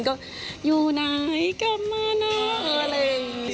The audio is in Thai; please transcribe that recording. ก็อยู่ไหนกลับมานะอะไรอย่างนี้